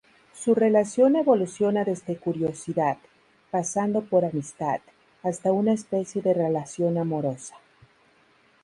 Su relación evoluciona desde curiosidad, pasando por amistad, hasta una especie de relación amorosa.